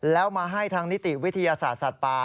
แล้วมาให้ทางนิติวิทยาศาสตร์สัตว์ป่า